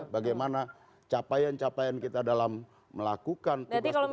bagaimana capaian capaian kita dalam melakukan tugas pemerintahan korupsi